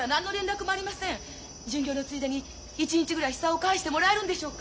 巡業のついでに一日ぐらい久男を帰してもらえるんでしょうか？